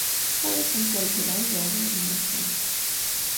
Ur asent-reggleɣ ijeɛbuben-nsent.